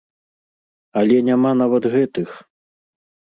Але няма нават гэтых.